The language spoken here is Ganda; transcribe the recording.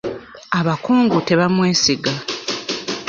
Abakungu tebamwesiga.